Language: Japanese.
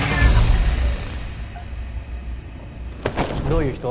どういう人？